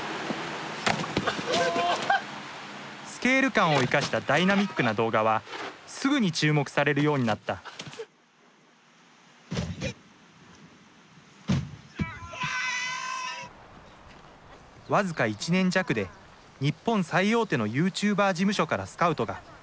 スケール感を生かしたダイナミックな動画はすぐに注目されるようになった僅か１年弱で日本最大手のユーチューバー事務所からスカウトが。